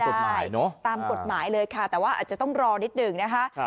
กฎหมายเนอะตามกฎหมายเลยค่ะแต่ว่าอาจจะต้องรอนิดหนึ่งนะคะ